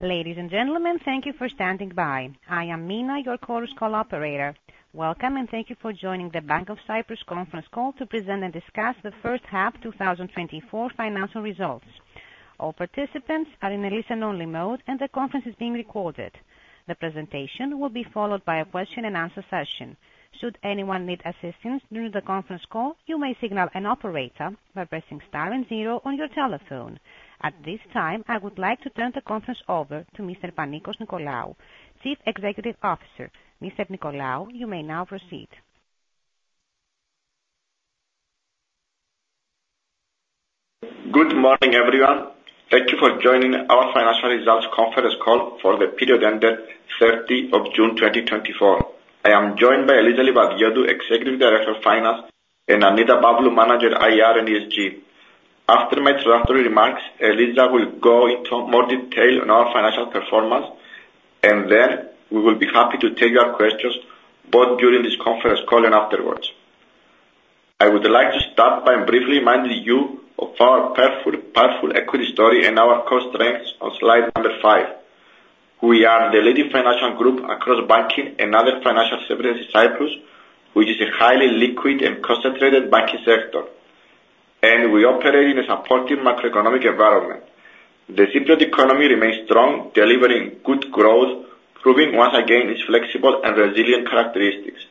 Ladies and gentlemen, thank you for standing by. I am Mina, your call operator. Welcome, and thank you for joining the Bank of Cyprus conference call to present and discuss the first half 2024 financial results. All participants are in a listen-only mode, and the conference is being recorded. The presentation will be followed by a question-and-answer session. Should anyone need assistance during the conference call, you may signal an operator by pressing star and zero on your telephone. At this time, I would like to turn the conference over to Mr. Panicos Nicolaou, Chief Executive Officer. Mr. Nicolaou, you may now proceed. Good morning, everyone. Thank you for joining our financial results conference call for the period ended 30th of June 2024. I am joined by Eliza Livadiotou, Executive Director of Finance, and Annita Pavlou, Manager, IR and ESG. After my introductory remarks, Eliza will go into more detail on our financial performance, and then we will be happy to take your questions both during this conference call and afterwards. I would like to start by briefly reminding you of our powerful equity story and our core strengths on slide number five. We are the leading financial group across banking and other financial services in Cyprus, which is a highly liquid and concentrated banking sector, and we operate in a supportive macroeconomic environment. The Cypriot economy remains strong, delivering good growth, proving once again its flexible and resilient characteristics.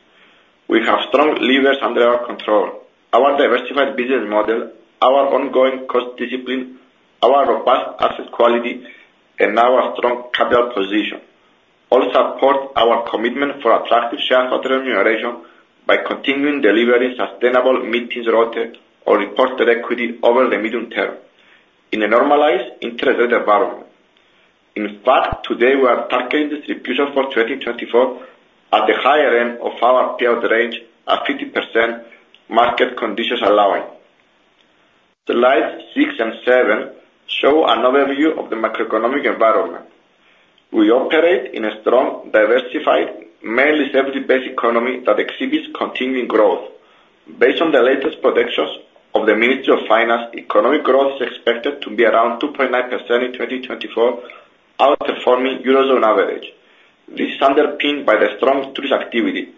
We have strong levers under our control. Our diversified business model, our ongoing cost discipline, our robust asset quality, and our strong capital position all support our commitment for attractive shareholder remuneration by continuing delivering sustainable mid-teens ROTE over the medium term in a normalized interest-rate environment. In fact, today we are targeting distribution for 2024 at the higher end of our payout range at 50%, market conditions allowing. Slides six and seven show an overview of the macroeconomic environment. We operate in a strong, diversified, mainly service-based economy that exhibits continuing growth. Based on the latest projections of the Ministry of Finance, economic growth is expected to be around 2.9% in 2024, outperforming Eurozone average. This is underpinned by the strong tourist activity,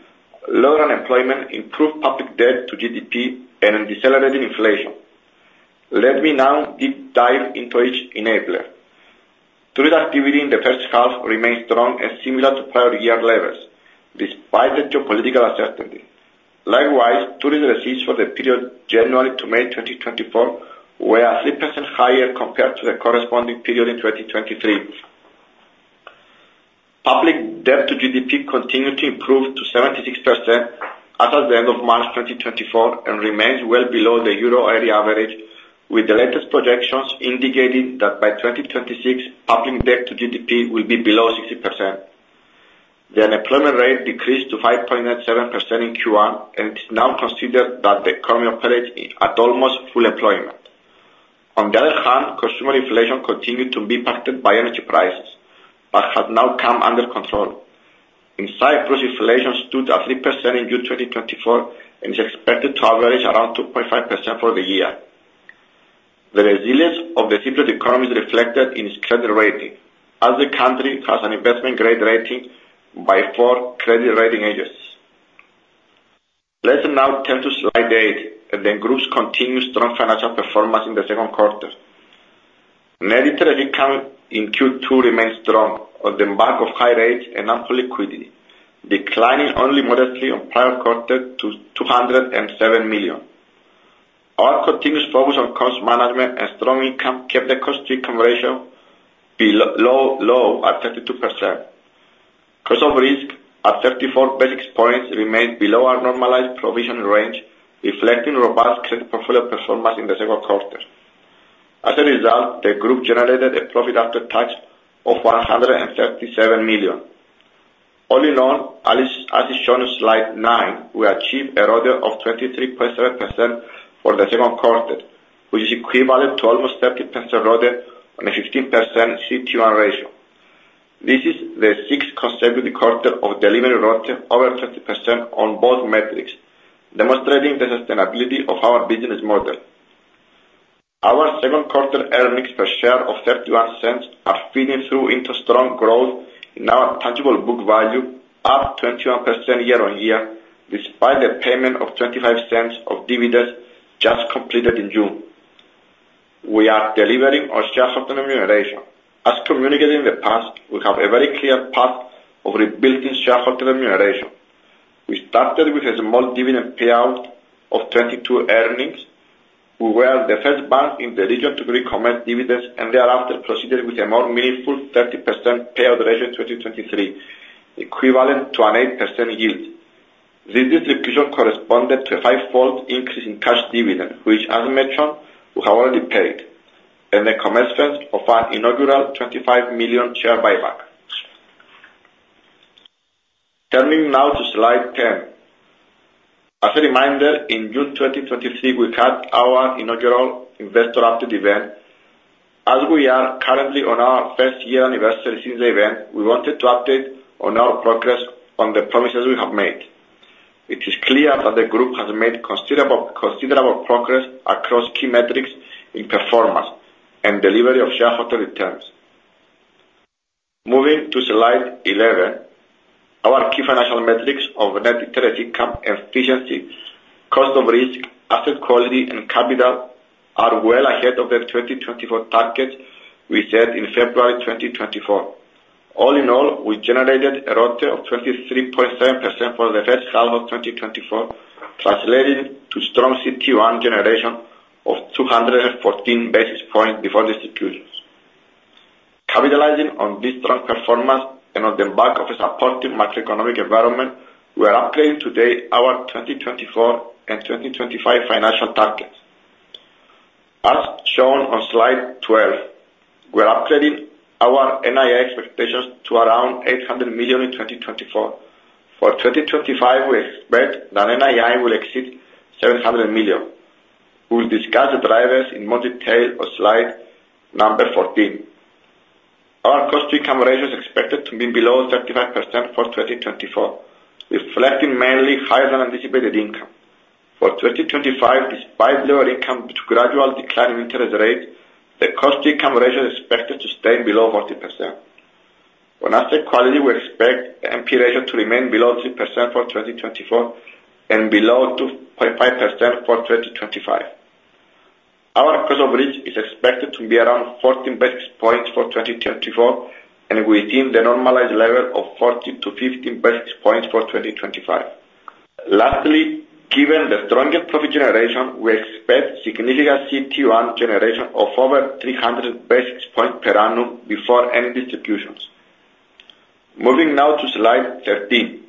lower unemployment, improved public debt to GDP, and decelerating inflation. Let me now deep dive into each enabler. Tourist activity in the first half remains strong and similar to prior year levels, despite the geopolitical uncertainty. Likewise, tourist receipts for the period January to May 2024 were 3% higher compared to the corresponding period in 2023. Public debt to GDP continued to improve to 76% as of the end of March 2024 and remains well below the euro area average, with the latest projections indicating that by 2026, public debt to GDP will be below 60%. The unemployment rate decreased to 5.97% in Q1, and it is now considered that the economy operates at almost full employment. On the other hand, consumer inflation continued to be impacted by energy prices but has now come under control. In Cyprus, inflation stood at 3% in June 2024 and is expected to average around 2.5% for the year. The resilience of the Cypriot economy is reflected in its credit rating, as the country has an investment-grade rating by four credit rating agencies. Let's now turn to slide eight, and the group's continued strong financial performance in the second quarter. Net interest income in Q2 remains strong, on the back of high rates and ample liquidity, declining only modestly on prior quarter to 207 million. Our continuous focus on cost management and strong income kept the cost-to-income ratio low at 32%. Cost of risk at 34 basis points remains below our normalized provision range, reflecting robust credit portfolio performance in the second quarter. As a result, the group generated a profit after tax of 137 million. All in all, as is shown in slide nine, we achieved a ROTE of 23.7% for the second quarter, which is equivalent to almost 30% ROTE and a 15% CET1 ratio. This is the sixth consecutive quarter of delivering ROTE over 30% on both metrics, demonstrating the sustainability of our business model. Our second quarter earnings per share of 0.31 are feeding through into strong growth in our tangible book value, up 21% year-on-year, despite the payment of 0.25 of dividends just completed in June. We are delivering our shareholder remuneration. As communicated in the past, we have a very clear path of rebuilding shareholder remuneration. We started with a small dividend payout of 22 earnings. We were the first bank in the region to recommend dividends, and thereafter proceeded with a more meaningful 30% payout ratio in 2023, equivalent to an 8% yield. This distribution corresponded to a fivefold increase in cash dividend, which, as mentioned, we have already paid, and the commitment of an inaugural 25 million share buyback. Turning now to slide 10. As a reminder, in June 2023, we had our inaugural investor update event. As we are currently on our first year anniversary since the event, we wanted to update on our progress on the promises we have made. It is clear that the group has made considerable progress across key metrics in performance and delivery of shareholder returns. Moving to slide 11, our key financial metrics of net interest income, efficiency, cost of risk, asset quality, and capital are well ahead of the 2024 targets we set in February 2024. All in all, we generated a ROTE of 23.7% for the first half of 2024, translating to strong CET1 generation of 214 basis points before distributions. Capitalizing on this strong performance and on the back of a supportive macroeconomic environment, we are upgrading today our 2024 and 2025 financial targets. As shown on slide 12, we are upgrading our NII expectations to around 800 million in 2024. For 2025, we expect that NII will exceed 700 million. We will discuss the drivers in more detail on slide number 14. Our cost-to-income ratio is expected to be below 35% for 2024, reflecting mainly higher-than-anticipated income. For 2025, despite lower income due to gradual decline in interest rates, the cost-to-income ratio is expected to stay below 40%. On asset quality, we expect the NPE ratio to remain below 3% for 2024 and below 2.5% for 2025. Our cost of risk is expected to be around 14 basis points for 2024, and we think the normalized level of 40 to 15 basis points for 2025. Lastly, given the stronger profit generation, we expect significant CET1 generation of over 300 basis points per annum before any distributions. Moving now to slide 13,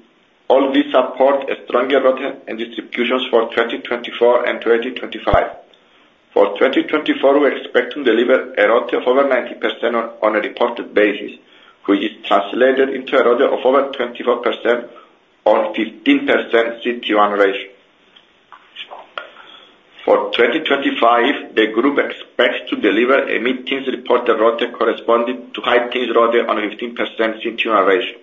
all this supports a stronger ROTE and distributions for 2024 and 2025. For 2024, we expect to deliver a ROTE of over 90% on a reported basis, which is translated into a ROTE of over 24% on 15% CET1 ratio. For 2025, the group expects to deliver a management-reported ROTE corresponding to high-teens ROTE on 15% CET1 ratio.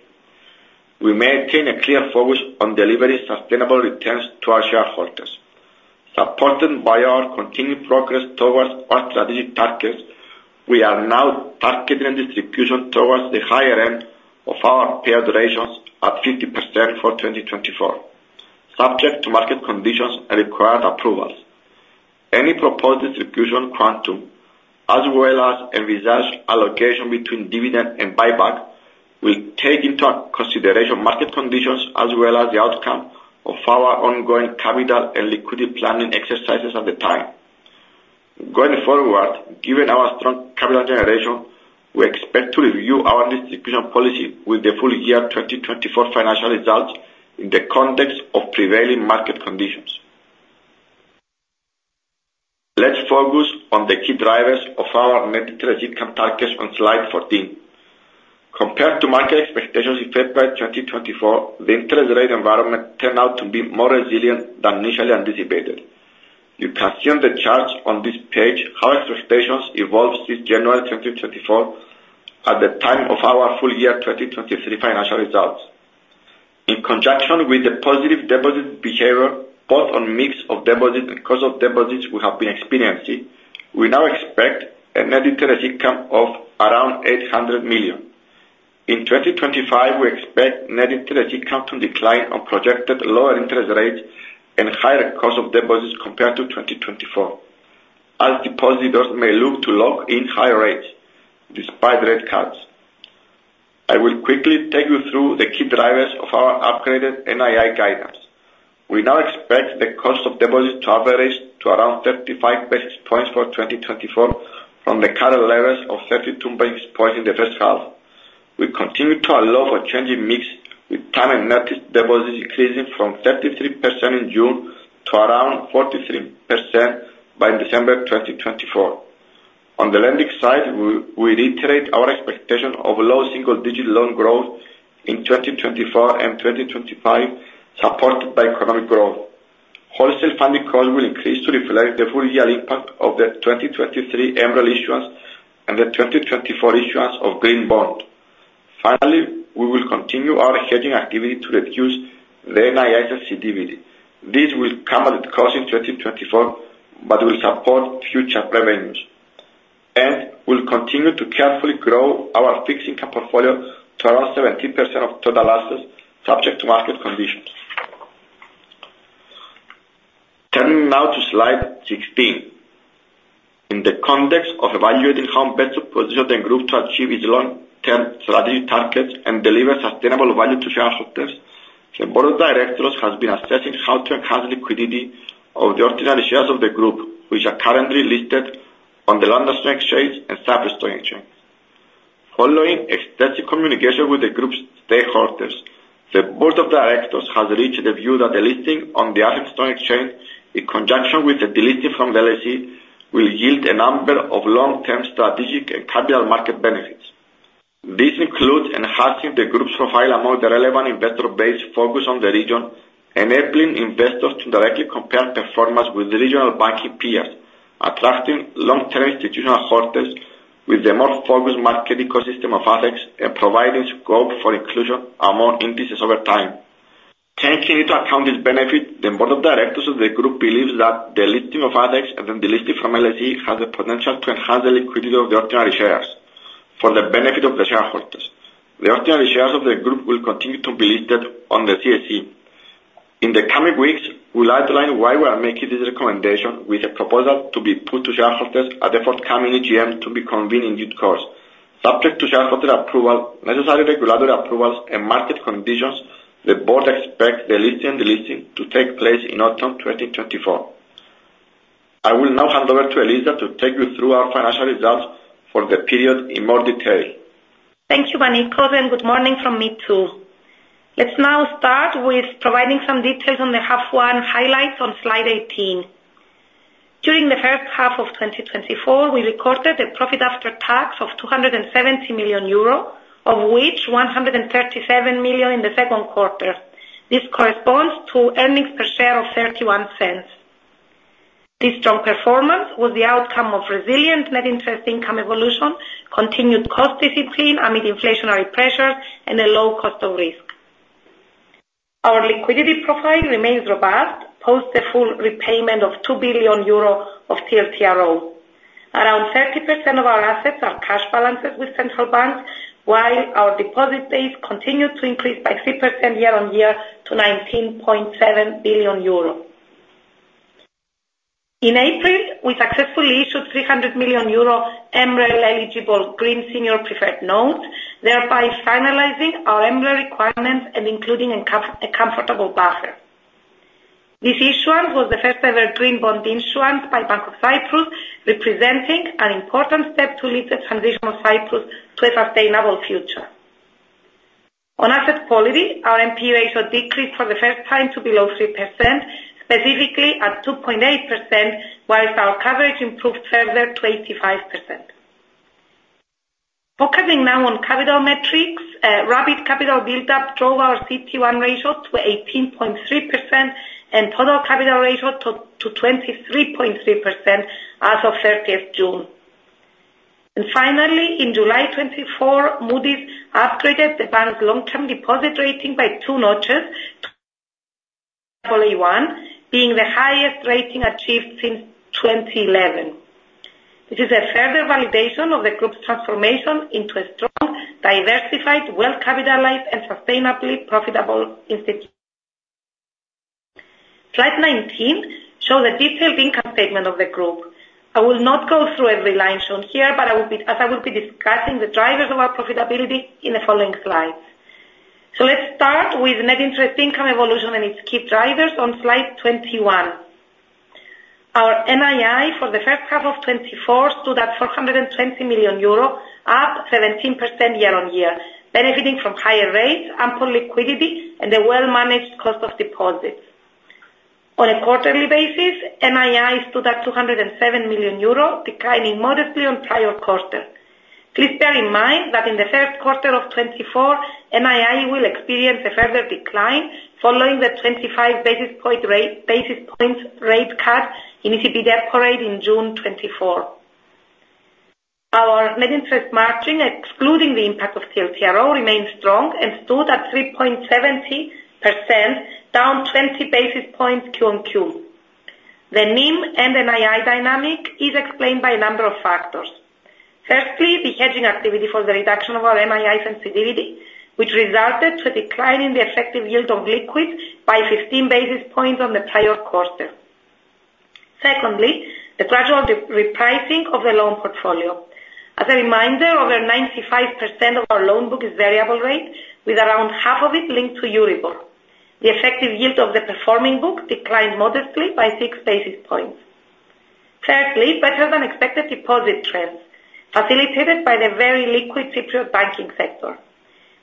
We maintain a clear focus on delivering sustainable returns to our shareholders. Supported by our continued progress towards our strategic targets, we are now targeting distribution towards the higher end of our payout ratio at 50% for 2024, subject to market conditions and required approvals. Any proposed distribution quantum, as well as envisaged allocation between dividend and buyback, will take into consideration market conditions as well as the outcome of our ongoing capital and liquidity planning exercises at the time. Going forward, given our strong capital generation, we expect to review our distribution policy with the full-year 2024 financial results in the context of prevailing market conditions. Let's focus on the key drivers of our net interest income targets on slide 14. Compared to market expectations in February 2024, the interest rate environment turned out to be more resilient than initially anticipated. You can see on the chart on this page how expectations evolved since January 2024 at the time of our full-year 2023 financial results. In conjunction with the positive deposit behavior, both on mix of deposits and cost of deposits we have been experiencing, we now expect a net interest income of around 800 million. In 2025, we expect net interest income to decline on projected lower interest rates and higher cost of deposits compared to 2024, as depositors may look to lock in higher rates despite rate cuts. I will quickly take you through the key drivers of our upgraded NII guidance. We now expect the cost of deposits to average to around 35 basis points for 2024 from the current levels of 32 basis points in the first half. We continue to allow for changing mix with time and notice deposits increasing from 33% in June to around 43% by December 2024. On the lending side, we reiterate our expectation of low single-digit loan growth in 2024 and 2025, supported by economic growth. Wholesale funding costs will increase to reflect the full-year impact of the 2023 Emerald issuance and the 2024 issuance of Green Bond. Finally, we will continue our hedging activity to reduce the NII sensitivity. This will come at its cost in 2024, but will support future revenues. We'll continue to carefully grow our fixed income portfolio to around 17% of total assets, subject to market conditions. Turning now to slide 16. In the context of evaluating how best to position the group to achieve its long-term strategic targets and deliver sustainable value to shareholders, the Board of Directors has been assessing how to enhance liquidity of the ordinary shares of the group, which are currently listed on the London Stock Exchange and Cyprus Stock Exchange. Following extensive communication with the group's stakeholders, the Board of Directors has reached the view that the listing on the Athens Stock Exchange, in conjunction with the delisting from the LSE, will yield a number of long-term strategic and capital market benefits. This includes enhancing the group's profile among the relevant investor base focused on the region, enabling investors to directly compare performance with regional banking peers, attracting long-term institutional holders with the more focused market ecosystem of ATHEX and providing scope for inclusion among indices over time. Taking into account this benefit, the Board of Directors of the group believes that the listing of ATHEX and then the listing from LSE has the potential to enhance the liquidity of the ordinary shares for the benefit of the shareholders. The ordinary shares of the group will continue to be listed on the CSE. In the coming weeks, we'll outline why we are making this recommendation, with a proposal to be put to shareholders at the forthcoming EGM to be convened in due course. Subject to shareholder approval, necessary regulatory approvals, and market conditions, the Board expects the listing and delisting to take place in autumn 2024. I will now hand over to Eliza to take you through our financial results for the period in more detail. Thank you, Panicos, and good morning from me too. Let's now start with providing some details on the H1 highlights on slide 18. During the first half of 2024, we recorded a profit after tax of 270 million euro, of which 137 million in the second quarter. This corresponds to earnings per share of 0.31. This strong performance was the outcome of resilient net interest income evolution, continued cost discipline amid inflationary pressures, and a low cost of risk. Our liquidity profile remains robust post the full repayment of 2 billion euro of TLTRO. Around 30% of our assets are cash balances with central banks, while our deposit base continued to increase by 3% year on year to 19.7 billion euro. In April, we successfully issued 300 million euro Emerald eligible Green Senior Preferred Notes, thereby finalizing our Emerald requirements and including a comfortable buffer. This issuance was the first-ever Green Bond issuance by Bank of Cyprus, representing an important step to lead the transition of Cyprus to a sustainable future. On asset quality, our NPE ratio decreased for the first time to below 3%, specifically at 2.8%, while our coverage improved further to 85%. Focusing now on capital metrics, rapid capital build-up drove our CET1 ratio to 18.3% and total capital ratio to 23.3% as of 30th June. Finally, in July 2024, Moody's upgraded the bank's long-term deposit rating by two notches to A1, being the highest rating achieved since 2011. This is a further validation of the group's transformation into a strong, diversified, well-capitalized, and sustainably profitable institution. Slide 19 shows a detailed income statement of the group. I will not go through every line shown here, but as I will be discussing the drivers of our profitability in the following slides. So let's start with net interest income evolution and its key drivers on slide 21. Our NII for the first half of 2024 stood at 420 million euro, up 17% year-on-year, benefiting from higher rates, ample liquidity, and a well-managed cost of deposits. On a quarterly basis, NII stood at 207 million euro, declining modestly on prior quarter. Please bear in mind that in the first quarter of 2024, NII will experience a further decline following the 25 basis points rate cut in ECB Depo rate in June 2024. Our net interest margin, excluding the impact of TLTRO, remained strong and stood at 3.70%, down 20 basis points Q-on-Q. The NIM and NII dynamic is explained by a number of factors. Firstly, the hedging activity for the reduction of our NII sensitivity, which resulted in a decline in the effective yield on liquids by 15 basis points on the prior quarter. Secondly, the gradual repricing of the loan portfolio. As a reminder, over 95% of our loan book is variable rate, with around half of it linked to Euribor. The effective yield of the performing book declined modestly by six basis points. Thirdly, better-than-expected deposit trends, facilitated by the very liquid Cypriot banking sector.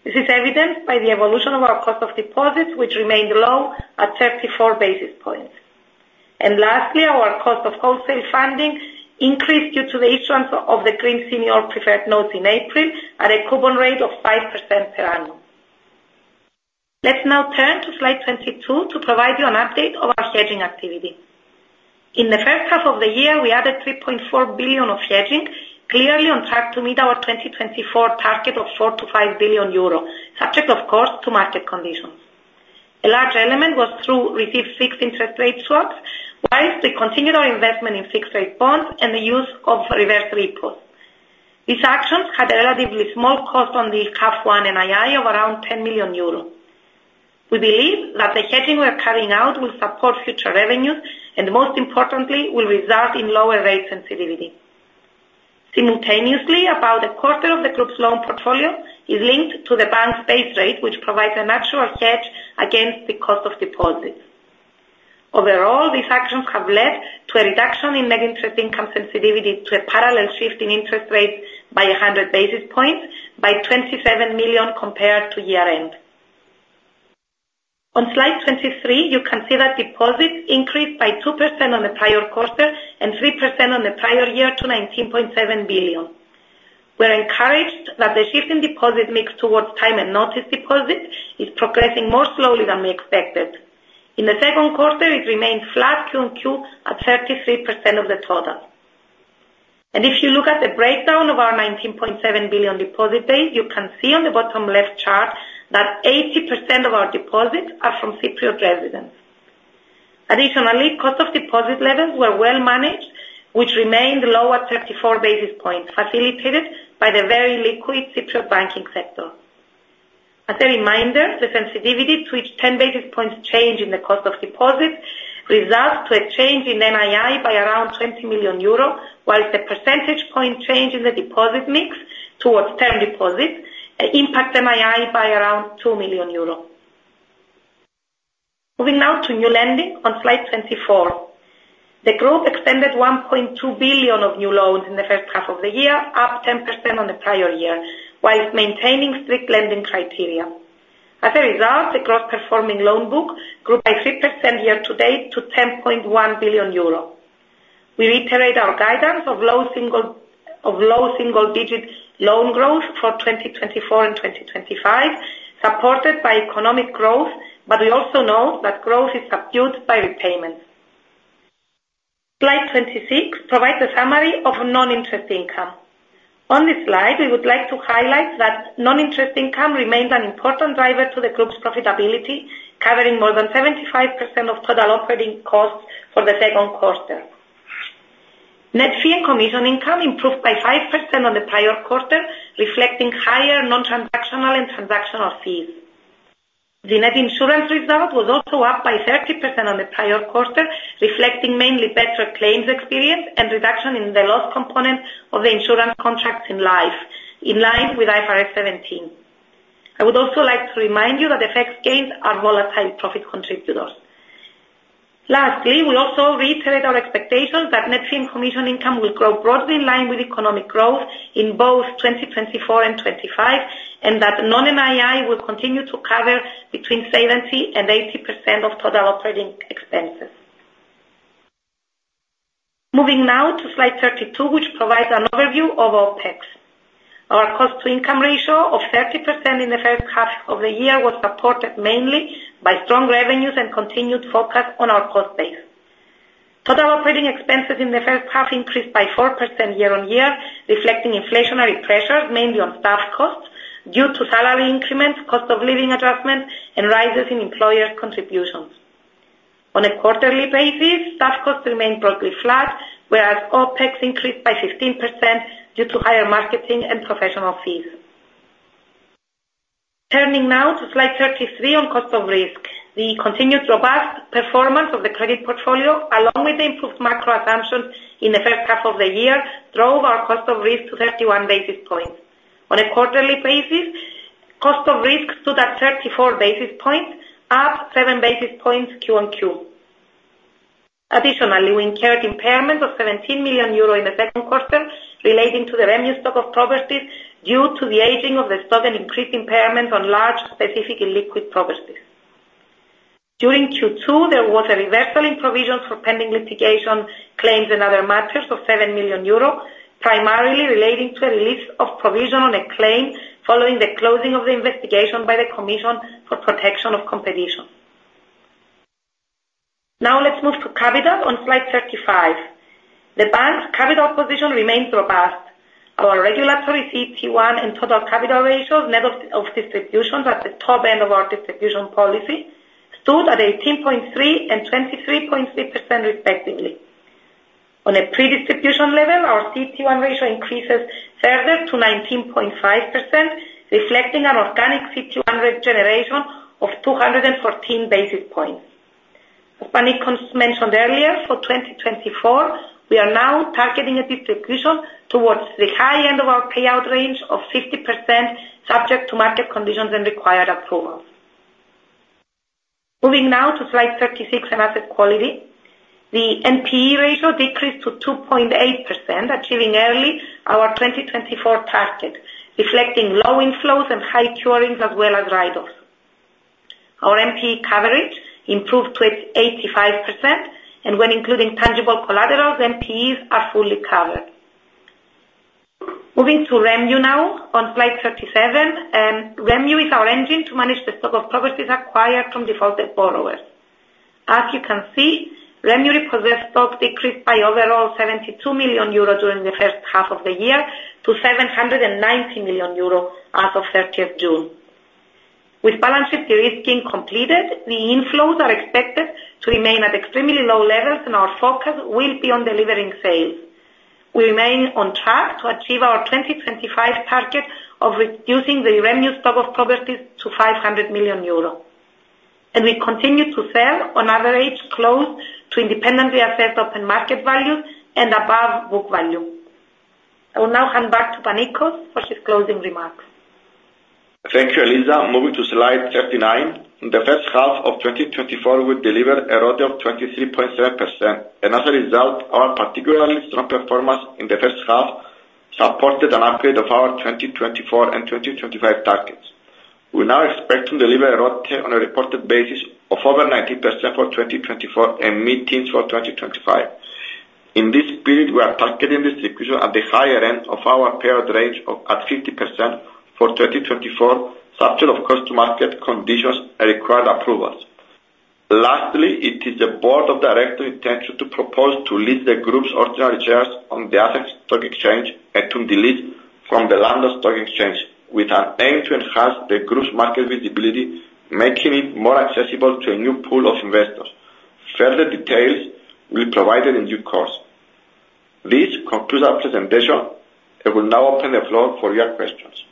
This is evidenced by the evolution of our cost of deposits, which remained low at 34 basis points. Lastly, our cost of wholesale funding increased due to the issuance of the Green Senior Preferred Notes in April at a coupon rate of 5% per annum. Let's now turn to slide 22 to provide you an update of our hedging activity. In the first half of the year, we added 3.4 billion of hedging, clearly on track to meet our 2024 target of 4 billion-5 billion euro, subject, of course, to market conditions. A large element was through receiving fixed interest rate swaps, while we continued our investment in fixed rate bonds and the use of reverse repos. These actions had a relatively small cost on the H1 NII of around 10 million euros. We believe that the hedging we are carrying out will support future revenues and, most importantly, will result in lower rate sensitivity. Simultaneously, about a quarter of the group's loan portfolio is linked to the bank's base rate, which provides a natural hedge against the cost of deposits. Overall, these actions have led to a reduction in net interest income sensitivity to a parallel shift in interest rates by 100 basis points, by 27 million compared to year-end. On slide 23, you can see that deposits increased by 2% on the prior quarter and 3% on the prior year to 19.7 billion. We're encouraged that the shift in deposit mix towards time and notice deposits is progressing more slowly than we expected. In the second quarter, it remained flat Q-on-Q at 33% of the total. If you look at the breakdown of our 19.7 billion deposit base, you can see on the bottom left chart that 80% of our deposits are from Cypriot residents. Additionally, cost of deposit levels were well managed, which remained low at 34 basis points, facilitated by the very liquid Cypriot banking sector. As a reminder, the sensitivity to each 10 basis points change in the cost of deposits results in a change in NII by around 20 million euro, while the percentage point change in the deposit mix towards term deposits impacts NII by around 2 million euros. Moving now to new lending on slide 24. The group extended 1.2 billion of new loans in the first half of the year, up 10% on the prior year, while maintaining strict lending criteria. As a result, the gross performing loan book grew by 3% year to date to 10.1 billion euro. We reiterate our guidance of low single-digit loan growth for 2024 and 2025, supported by economic growth, but we also know that growth is subdued by repayments. Slide 26 provides a summary of non-interest income. On this slide, we would like to highlight that non-interest income remains an important driver to the group's profitability, covering more than 75% of total operating costs for the second quarter. Net fee and commission income improved by 5% on the prior quarter, reflecting higher non-transactional and transactional fees. The net insurance result was also up by 30% on the prior quarter, reflecting mainly better claims experience and reduction in the loss component of the insurance contracts in life, in line with IFRS 17. I would also like to remind you that effects gains are volatile profit contributors. Lastly, we also reiterate our expectations that net fee and commission income will grow broadly in line with economic growth in both 2024 and 2025, and that non-NII will continue to cover between 70% and 80% of total operating expenses. Moving now to slide 32, which provides an overview of OPEX. Our cost-to-income ratio of 30% in the first half of the year was supported mainly by strong revenues and continued focus on our cost base. Total operating expenses in the first half increased by 4% year-on-year, reflecting inflationary pressures, mainly on staff costs due to salary increments, cost of living adjustments, and rises in employer contributions. On a quarterly basis, staff costs remained broadly flat, whereas OPEX increased by 15% due to higher marketing and professional fees. Turning now to slide 33 on cost of risk. The continued robust performance of the credit portfolio, along with the improved macro assumptions in the first half of the year, drove our cost of risk to 31 basis points. On a quarterly basis, cost of risk stood at 34 basis points, up seven basis points Q-on-Q. Additionally, we incurred impairments of 17 million euro in the second quarter, relating to the REMU stock of properties due to the aging of the stock and increased impairments on large specifically liquid properties. During Q2, there was a reversal in provisions for pending litigation claims and other matters of 7 million euro, primarily relating to a release of provision on a claim following the closing of the investigation by the Commission for Protection of Competition. Now let's move to capital on slide 35. The bank's capital position remains robust. Our regulatory CET1 and total capital ratios, net of distributions, at the top end of our distribution policy stood at 18.3% and 23.3%, respectively. On a pre-distribution level, our CET1 ratio increases further to 19.5%, reflecting an organic CET1 regeneration of 214 basis points. As Panicos mentioned earlier, for 2024, we are now targeting a distribution towards the high end of our payout range of 50%, subject to market conditions and required approvals. Moving now to slide 36 and asset quality. The NPE ratio decreased to 2.8%, achieving early our 2024 target, reflecting low inflows and high curings as well as write-offs. Our NPE coverage improved to 85%, and when including tangible collaterals, NPEs are fully covered. Moving to REO now on slide 37, REO is our engine to manage the stock of properties acquired from defaulted borrowers. As you can see, REO repossessed stock decreased by overall 72 million euro during the first half of the year to 790 million euro as of 30th June. With balance sheet de-risking completed, the inflows are expected to remain at extremely low levels, and our focus will be on delivering sales. We remain on track to achieve our 2025 target of reducing the REMU stock of properties to 500 million euro. We continue to sell on average close to independently assessed open market values and above book value. I will now hand back to Panicos for his closing remarks. Thank you, Eliza. Moving to slide 39. In the first half of 2024, we delivered a ROTE of 23.7%. As a result, our particularly strong performance in the first half supported an upgrade of our 2024 and 2025 targets. We're now expecting to deliver a ROTE on a reported basis of over 90% for 2024 and mid-teens for 2025. In this period, we are targeting distribution at the higher end of our payout range of 50% for 2024, subject to market conditions and required approvals. Lastly, it is the Board of Directors' intention to propose to list the group's ordinary shares on the Athens Stock Exchange and to delist from the London Stock Exchange, with an aim to enhance the group's market visibility, making it more accessible to a new pool of investors. Further details will be provided in due course. This concludes our presentation. I will now open the floor for your questions.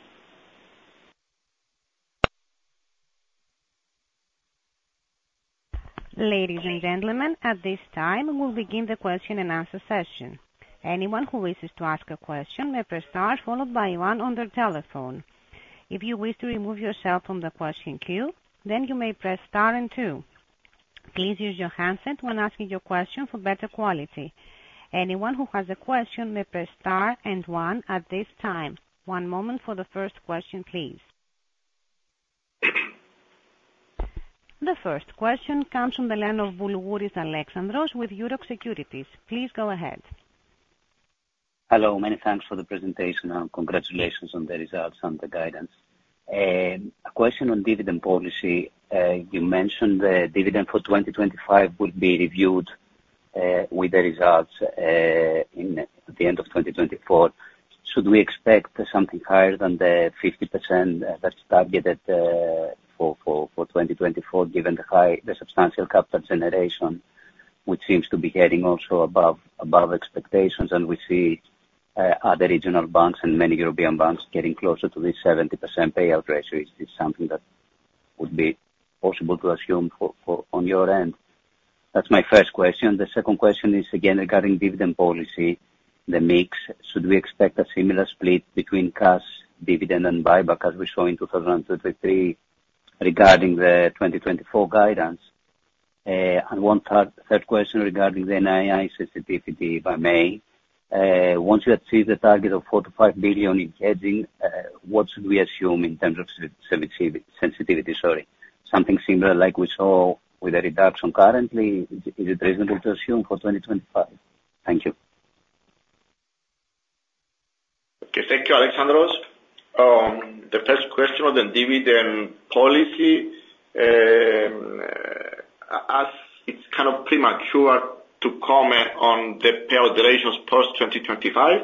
Ladies and gentlemen, at this time, we'll begin the question and answer session. Anyone who wishes to ask a question may press star followed by one on their telephone. If you wish to remove yourself from the question queue, then you may press star and two. Please use your handset when asking your question for better quality. Anyone who has a question may press star and one at this time. One moment for the first question, please. The first question comes from Alexandros Boulougouris with Euroxx Securities. Please go ahead. Hello, many thanks for the presentation and congratulations on the results and the guidance. A question on dividend policy. You mentioned the dividend for 2025 will be reviewed with the results at the end of 2024. Should we expect something higher than the 50% that's targeted for 2024, given the high, the substantial capital generation, which seems to be getting also above expectations? And we see other regional banks and many European banks getting closer to the 70% payout ratio. Is this something that would be possible to assume on your end? That's my first question. The second question is, again, regarding dividend policy, the mix. Should we expect a similar split between cash dividend and buyback, as we saw in 2023, regarding the 2024 guidance? And our third question regarding the NII sensitivity by May. Once you achieve the target of 4 billion-5 billion in hedging, what should we assume in terms of sensitivity? Sorry, something similar like we saw with a reduction currently. Is it reasonable to assume for 2025? Thank you. Okay, thank you, Alexandros. The first question on the dividend policy, as it's kind of premature to comment on the payout durations post 2025,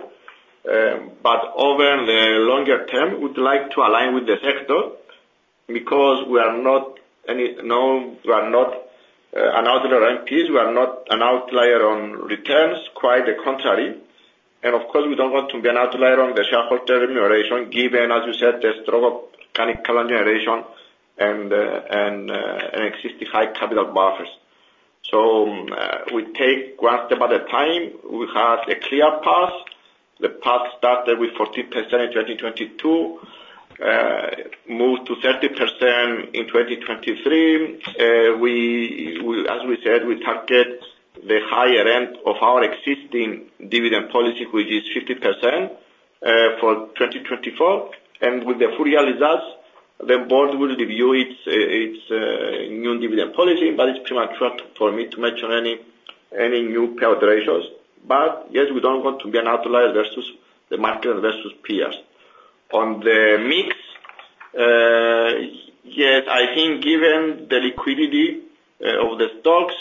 but over the longer term, we'd like to align with the sector because we are not an outlier on NPEs. We are not an outlier on returns, quite the contrary. And of course, we don't want to be an outlier on the shareholder remuneration, given, as you said, the strong mechanical generation and existing high capital buffers. So we take one step at a time. We had a clear path. The path started with 14% in 2022, moved to 30% in 2023. As we said, we target the higher end of our existing dividend policy, which is 50% for 2024. With the full-year results, the board will review its new dividend policy, but it's premature for me to mention any new payout ratios. Yes, we don't want to be an outlier versus the market and versus peers. On the mix, yes, I think given the liquidity of the stocks,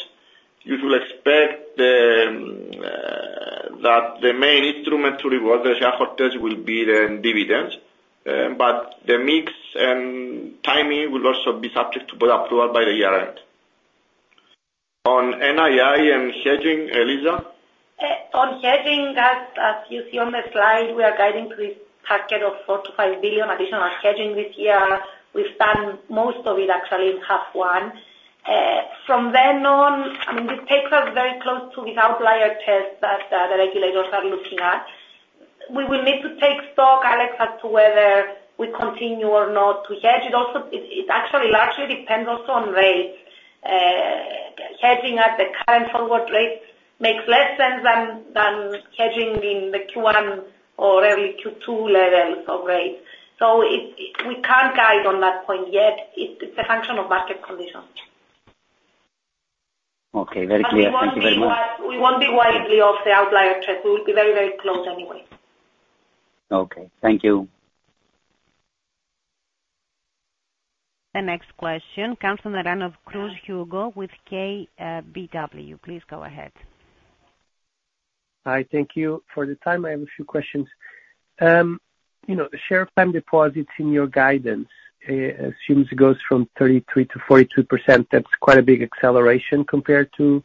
you should expect that the main instrument to reward the shareholders will be the dividends. But the mix and timing will also be subject to be approved by the year-end. On NII and hedging, Eliza? On hedging, as you see on the slide, we are guiding to a packet of 4 billion-5 billion additional hedging this year. We've done most of it actually in half one. From then on, I mean, this takes us very close to this outlier test that the regulators are looking at. We will need to take stock, Alex, as to whether we continue or not to hedge. It actually largely depends also on rates. Hedging at the current forward rate makes less sense than hedging in the Q1 or early Q2 levels of rates. So we can't guide on that point yet. It's a function of market conditions. Okay, very clear. Thank you very much. We won't be widely off the outlier test. We will be very, very close anyway. Okay, thank you. The next question comes from the line of Hugo Cruz with KBW. Please go ahead. Hi, thank you for the time. I have a few questions. The share of time deposits in your guidance assumes it goes from 33%-42%. That's quite a big acceleration compared to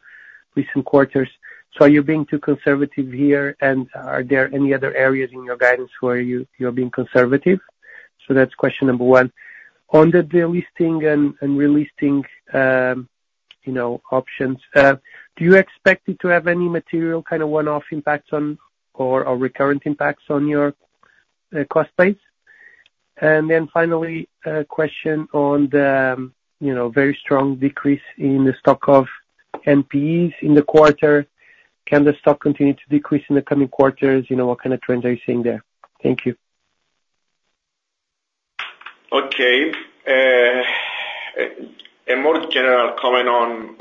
recent quarters. So are you being too conservative here, and are there any other areas in your guidance where you're being conservative? So that's question number one. On the delisting and relisting options, do you expect it to have any material kind of one-off impacts or recurrent impacts on your cost base? And then finally, a question on the very strong decrease in the stock of NPEs in the quarter. Can the stock continue to decrease in the coming quarters? What kind of trends are you seeing there? Thank you. Okay. A more general comment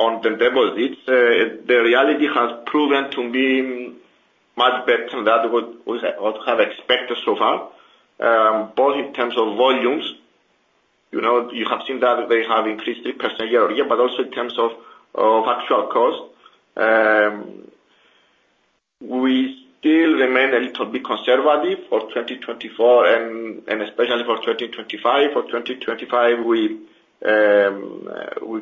on the deposits. The reality has proven to be much better than what we have expected so far, both in terms of volumes. You have seen that they have increased 3% year-over-year, but also in terms of actual cost. We still remain a little bit conservative for 2024, and especially for 2025. For 2025, we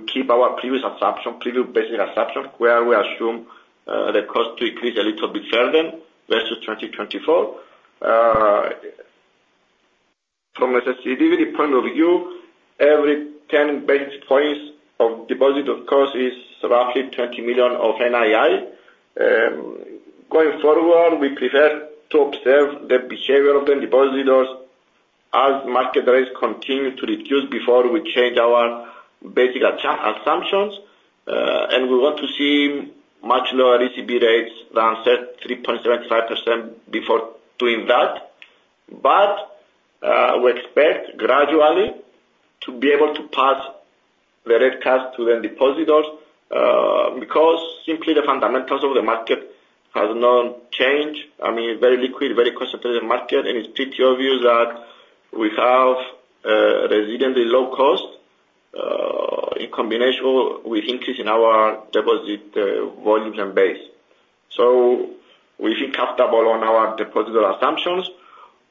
keep our previous assumption, previous basic assumption, where we assume the cost to increase a little bit further versus 2024. From a sensitivity point of view, every 10 basis points of deposit, of course, is roughly 20 million of NII. Going forward, we prefer to observe the behavior of the depositors as market rates continue to reduce before we change our basic assumptions. And we want to see much lower ECB rates than 3.75% before doing that. But we expect gradually to be able to pass the red cash to the depositors because simply the fundamentals of the market have not changed. I mean, it's very liquid, very concentrated market, and it's pretty obvious that we have resiliently low cost in combination with increasing our deposit volumes and base. So we feel comfortable on our depositor assumptions.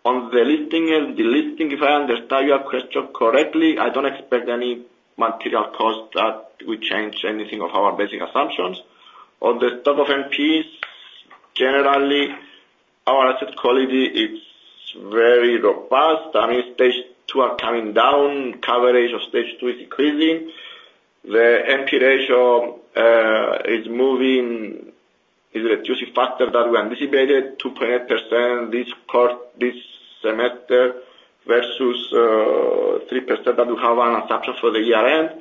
On the listing and delisting, if I understand your question correctly, I don't expect any material cost that we change anything of our basic assumptions. On the stock of NPEs, generally, our asset quality is very robust. I mean, stage two are coming down. Coverage of stage two is increasing. The NPE ratio is moving either reducing faster than we anticipated, 2.8% this semester versus 3% that we have an assumption for the year-end.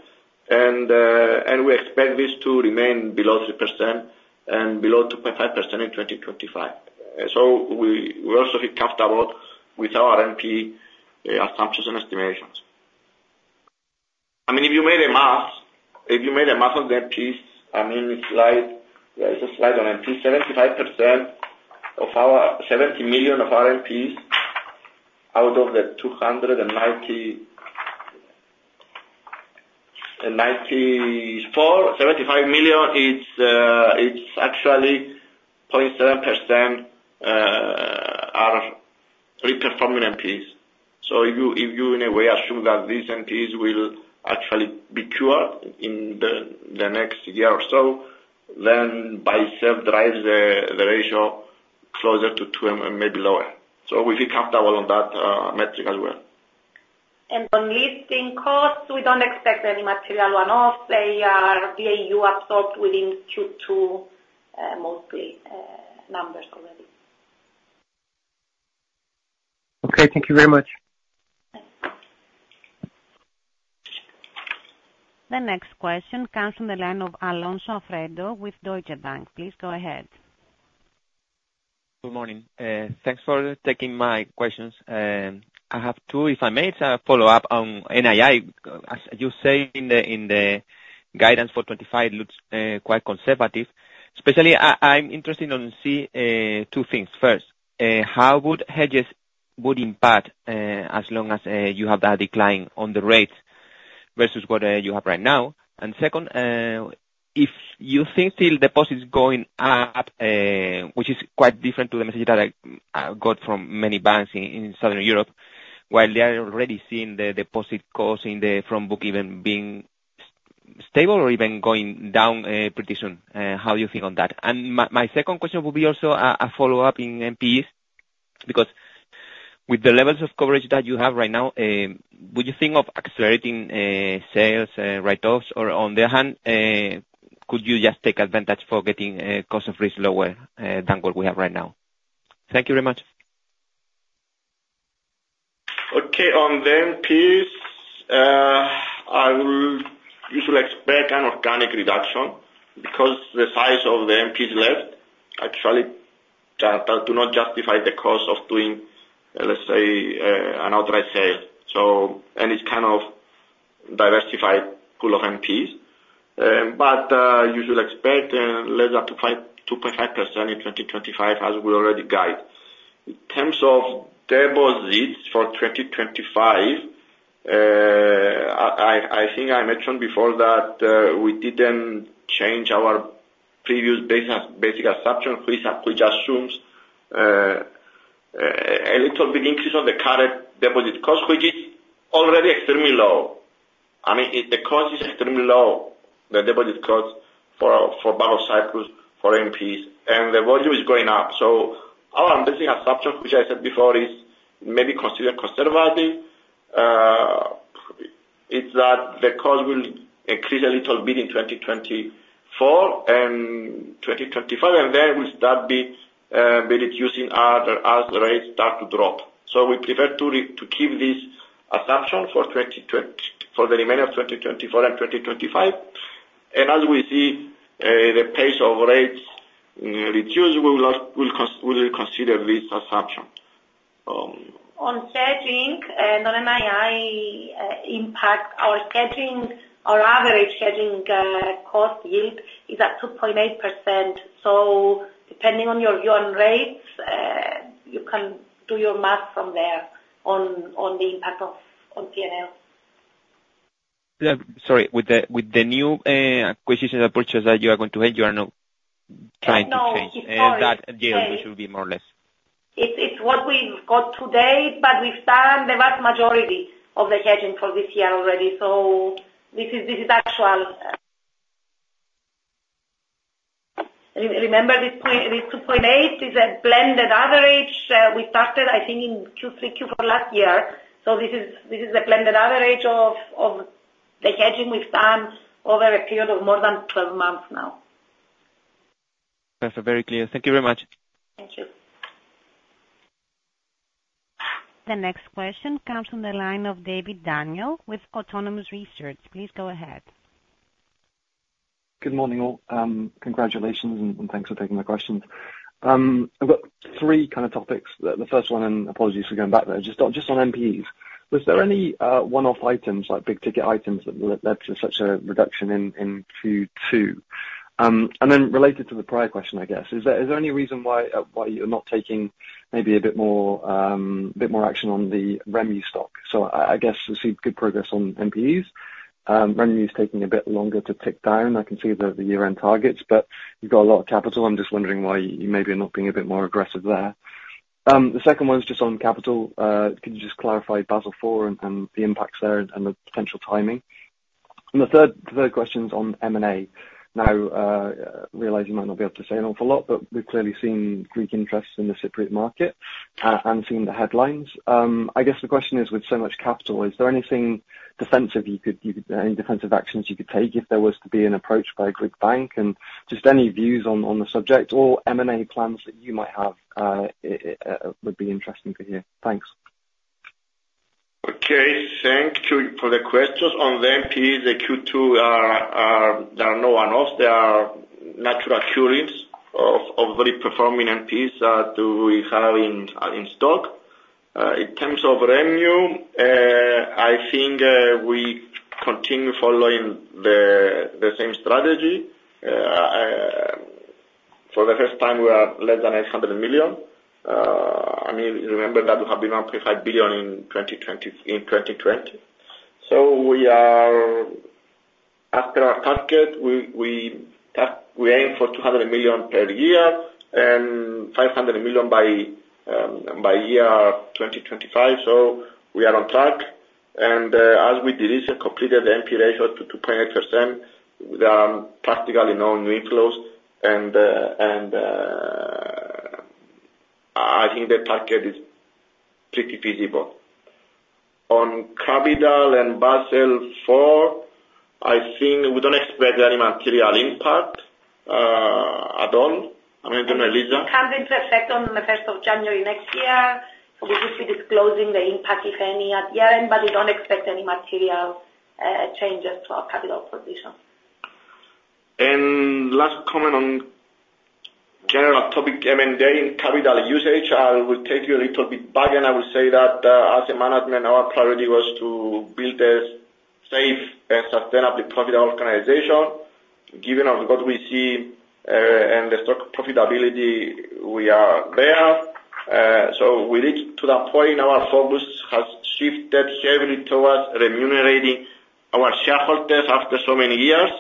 And we expect this to remain below 3% and below 2.5% in 2025. So we also feel comfortable with our NP assumptions and estimations. I mean, if you made a math, if you made a math on the NPEs, I mean, it's like there is a slide on NPEs, 75% of our 70 million of our NPEs out of the 294.75 million, it's actually 0.7% are reperforming NPEs. So if you in a way assume that these NPEs will actually be cured in the next year or so, then by itself drives the ratio closer to two and maybe lower. So we feel comfortable on that metric as well. And on listing costs, we don't expect any material one-off. They are already absorbed within Q2, mostly numbers already. Okay, thank you very much. The next question comes from the line of Alfredo Alonso with Deutsche Bank. Please go ahead. Good morning. Thanks for taking my questions. I have two, if I may, to follow up on NII. As you say, in the guidance for 2025, it looks quite conservative. Especially, I'm interested in seeing two things. First, how would hedges impact as long as you have that decline on the rates versus what you have right now? And second, if you think still deposits going up, which is quite different to the message that I got from many banks in Southern Europe, while they are already seeing the deposit cost in the front book even being stable or even going down pretty soon, how do you think on that? And my second question would be also a follow-up in NPEs because with the levels of coverage that you have right now, would you think of accelerating sales, write-offs, or on the other hand, could you just take advantage for getting cost of risk lower than what we have right now? Thank you very much. Okay, on the NPEs, I will usually expect an organic reduction because the size of the NPEs left actually do not justify the cost of doing, let's say, an outright sale. And it's kind of diversified pool of NPEs. But you should expect less than 2.5% in 2025, as we already guide. In terms of deposits for 2025, I think I mentioned before that we didn't change our previous basic assumption, which assumes a little bit increase on the current deposit cost, which is already extremely low. I mean, the cost is extremely low, the deposit cost for buyback cycles for NPEs, and the volume is going up. So our basic assumption, which I said before, is maybe considered conservative, is that the cost will increase a little bit in 2024 and 2025, and then we'll start reducing as rates start to drop. So we prefer to keep this assumption for the remainder of 2024 and 2025. As we see the pace of rates reduced, we will consider this assumption. On hedging non-NII impact, our average hedging cost yield is at 2.8%. So depending on your view on rates, you can do your math from there on the impact on P&L. Sorry, with the new acquisition approaches that you are going to hedge, you are not trying to change? No. That yield should be more or less. It's what we've got today, but we've done the vast majority of the hedging for this year already. So this is actual. Remember this 2.8 is a blended average. We started, I think, in Q3, Q4 last year. So this is the blended average of the hedging we've done over a period of more than 12 months now. That's very clear. Thank you very much. Thank you. The next question comes from the line of Daniel David with Autonomous Research. Please go ahead. Good morning all. Congratulations and thanks for taking my questions. I've got three kind of topics. The first one, and apologies for going back there, just on NPEs. Was there any one-off items, like big ticket items, that led to such a reduction in Q2? And then related to the prior question, I guess, is there any reason why you're not taking maybe a bit more action on the REMU stock? So I guess we've seen good progress on NPEs. Revenue is taking a bit longer to tick down. I can see the year-end targets, but you've got a lot of capital. I'm just wondering why you maybe are not being a bit more aggressive there. The second one is just on capital. Could you just clarify Basel IV and the impacts there and the potential timing? And the third question is on M&A. Now, I realize you might not be able to say an awful lot, but we've clearly seen Greek interests in the Cypriot market and seen the headlines. I guess the question is, with so much capital, is there anything defensive you could, any defensive actions you could take if there was to be an approach by a Greek bank? And just any views on the subject or M&A plans that you might have would be interesting to hear. Thanks. Okay, thank you for the questions. On the NPEs, the Q2, there are no one-offs. There are natural curings of very performing NPEs that we have in stock. In terms of revenue, I think we continue following the same strategy. For the first time, we are less than 800 million. I mean, remember that we have been up to 5 billion in 2020. So after our target, we aim for 200 million per year and 500 million by year 2025. So we are on track. And as we delisted and completed the NPE ratio to 2.8%, there are practically no new inflows. And I think the target is pretty feasible. On capital and Basel IV, I think we don't expect any material impact at all. I mean, don't release them. It comes in perfect on the 1st of January next year. We should be disclosing the impact, if any, at year-end, but we don't expect any material changes to our capital position. And last comment on general topic M&A and capital usage, I will take you a little bit back, and I will say that as a management, our priority was to build a safe and sustainably profitable organization. Given what we see and the stock profitability, we are there. So we reached to that point. Our focus has shifted heavily towards remunerating our shareholders after so many years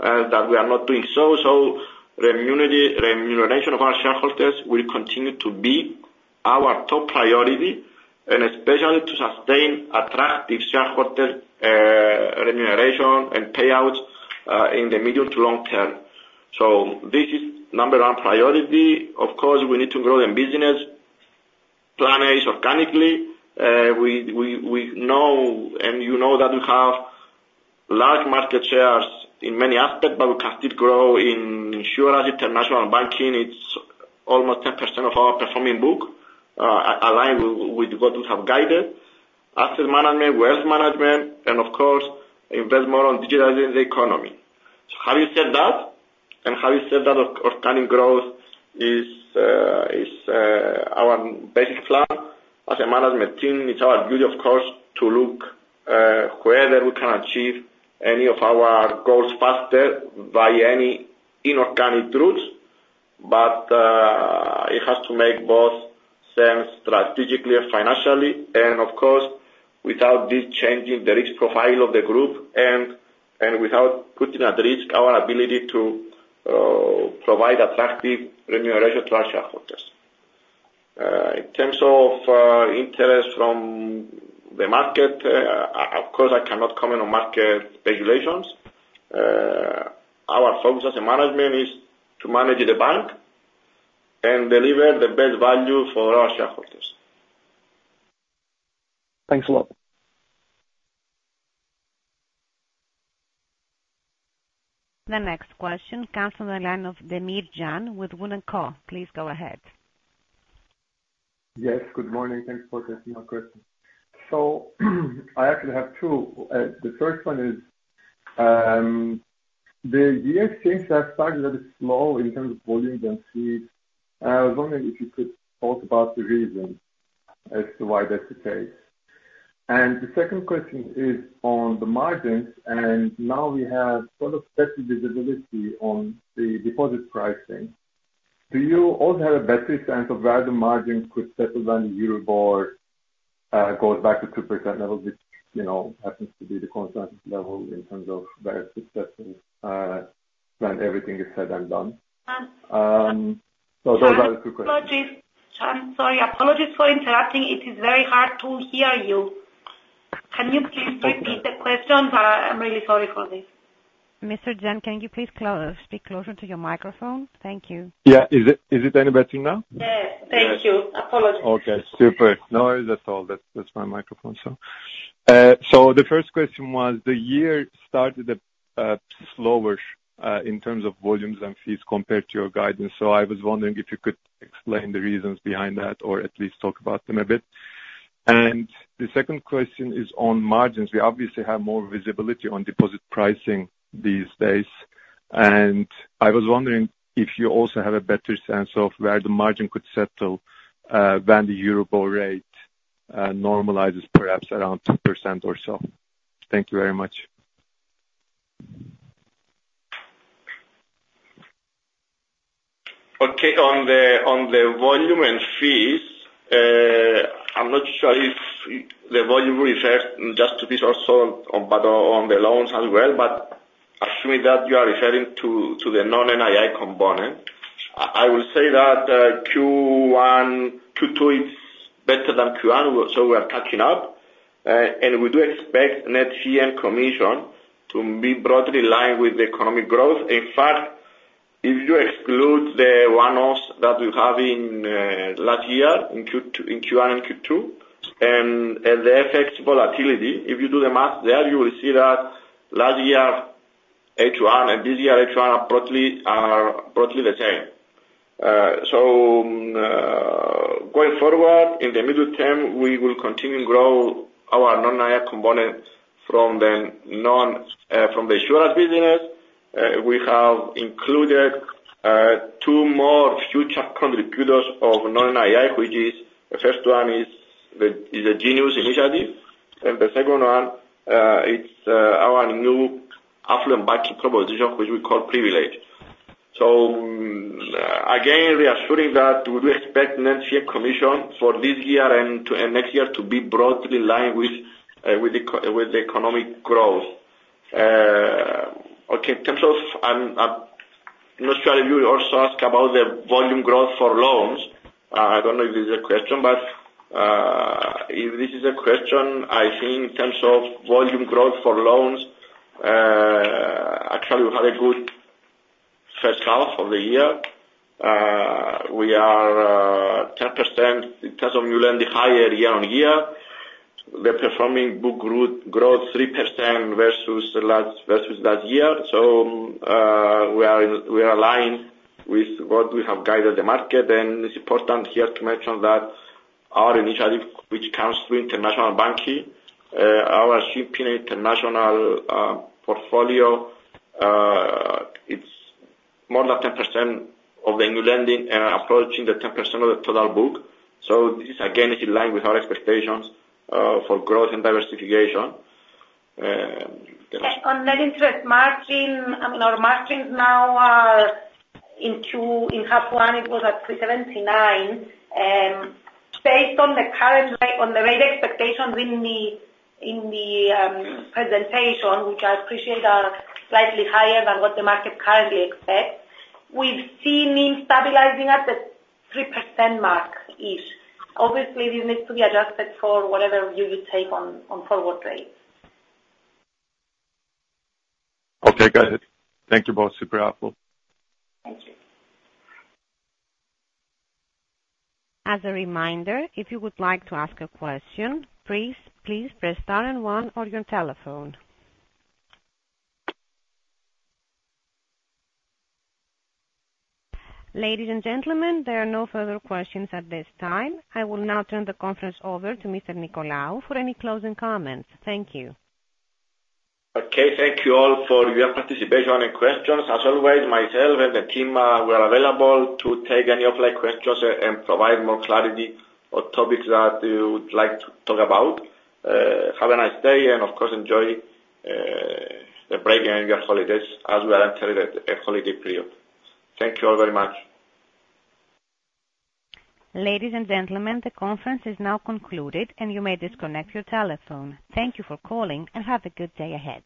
that we are not doing so. So remuneration of our shareholders will continue to be our top priority, and especially to sustain attractive shareholder remuneration and payouts in the medium to long term. So this is number one priority. Of course, we need to grow the business, plan A's organically. We know, and you know, that we have large market shares in many aspects, but we can still grow in insurance, international banking. It's almost 10% of our performing book, aligned with what we have guided. Asset management, wealth management, and of course, invest more on digitizing the economy. So having said that, and having said that, organic growth is our basic plan. As a management team, it's our duty, of course, to look whether we can achieve any of our goals faster by any inorganic routes. But it has to make both sense strategically and financially. And of course, without this changing the risk profile of the group and without putting at risk our ability to provide attractive remuneration to our shareholders. In terms of interest from the market, of course, I cannot comment on market regulations. Our focus as a management is to manage the bank and deliver the best value for our shareholders. Thanks a lot. The next question comes from the line of Demir Can with Wood&Co. Please go ahead. Yes, good morning. Thanks for taking my question. So I actually have two. The first one is the year since I started, it's slow in terms of volumes and fees. I was wondering if you could talk about the reasons as to why that's the case. And the second question is on the margins, and now we have sort of better visibility on the deposit pricing. Do you also have a better sense of where the margins could settle than the Euribor goes back to 2% level, which happens to be the constant level in terms of where it could settle when everything is said and done? So those are the two questions. Apologies, Can. Sorry, apologies for interrupting. It is very hard to hear you. Can you please repeat the question? I'm really sorry for this. Mr. Can, can you please speak closer to your microphone? Thank you. Yeah. Is it any better now? Yes. Thank you. Apologies. Okay. Super. No noise at all. That's my microphone, so. The first question was, the year started slower in terms of volumes and fees compared to your guidance. I was wondering if you could explain the reasons behind that or at least talk about them a bit. The second question is on margins. We obviously have more visibility on deposit pricing these days. I was wondering if you also have a better sense of where the margin could settle when the Euribor rate normalizes, perhaps around 2% or so. Thank you very much. Okay. On the volume and fees, I'm not sure if the volume refers just to this also on the loans as well, but assuming that you are referring to the non-NII component, I will say that Q2 is better than Q1, so we are catching up. We do expect net fee and commission to be broadly aligned with the economic growth. In fact, if you exclude the one-offs that we have in last year in Q1 and Q2 and the effects volatility, if you do the math there, you will see that last year H1 and this year H1 are broadly the same. So going forward, in the middle term, we will continue to grow our non-NII component from the insurance business. We have included two more future contributors of non-NII, which is the first one is a Genius initiative, and the second one is our new affluent banking proposition, which we call Privilege. So again, reassuring that we do expect net fee and commission for this year and next year to be broadly aligned with the economic growth. Okay. In terms of I'm not sure if you also asked about the volume growth for loans. I don't know if this is a question, but if this is a question, I think in terms of volume growth for loans, actually, we had a good first half of the year. We are 10% in terms of new lending higher year-over-year. The performing book growth is 3% versus last year. So we are aligned with what we have guided the market. And it's important here to mention that our initiative, which comes through international banking, our CP International portfolio, it's more than 10% of the new lending and approaching the 10% of the total book. So this, again, is in line with our expectations for growth and diversification. On net interest margin, I mean, our margins now are in Q2, in half one, it was at 379. Based on the current rate, on the rate expectations in the presentation, which I appreciate are slightly higher than what the market currently expects, we've seen it stabilizing at the 3% mark-ish. Obviously, this needs to be adjusted for whatever view you take on forward rates. Okay. Got it. Thank you both. Super helpful. As a reminder, if you would like to ask a question, please press star and one on your telephone. Ladies and gentlemen, there are no further questions at this time. I will now turn the conference over to Mr. Nicolaou for any closing comments. Thank you. Okay. Thank you all for your participation and questions. As always, myself and the team are available to take any of your questions and provide more clarity on topics that you would like to talk about. Have a nice day and, of course, enjoy the break and your holidays as well and the holiday period. Thank you all very much. Ladies and gentlemen, the conference is now concluded, and you may disconnect your telephone. Thank you for calling and have a good day ahead.